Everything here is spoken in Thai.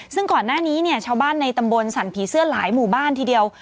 ซึ่งก่อนหน้านี้เนี่ยชาวบ้านในตำบลสั่นผีเสื้อหลายหมู่บ้านทีเดียว